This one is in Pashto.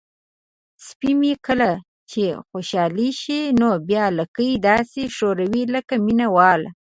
سپی مې کله چې خوشحاله شي نو بیا لکۍ داسې ښوروي لکه مینه وال.